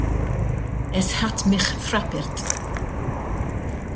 Es hat mich frappirt.